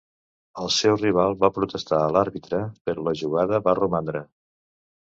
El seu rival va protestar a l’àrbitre però la jugada va romandre.